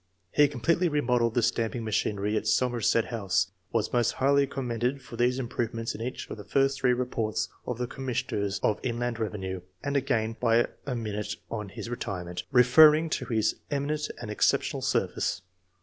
He completely remodelled the stamping machinery at Somerset House ; was most highly # commended for these improvements in each of the first three reports of the commissioners of Inland Revenue, and again by a minute on 64 ENGLISH MEN OF SCIENCE. [chap. his retirement, referring to his "eminent and exceptional service."